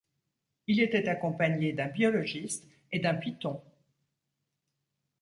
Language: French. Il était accompagné d'un biologiste et d'un python.